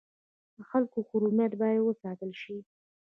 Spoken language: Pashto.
د خلکو محرمیت باید وساتل شي